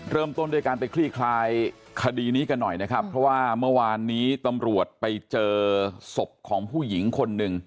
เริ่มต้นด้วยการไปคลี่คลายคดีนี้กันหน่อยนะครับเพราะว่าเมื่อวานนี้ตำรวจไปเจอศพของผู้หญิงคนหนึ่ง